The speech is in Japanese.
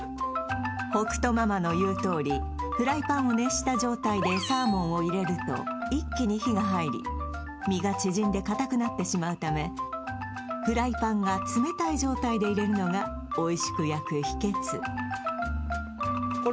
北斗ママの言うとおりフライパンを熱した状態でサーモンを入れると一気に火が入り身が縮んでかたくなってしまうためフライパンが冷たい状態で入れるのがおいしく焼く秘訣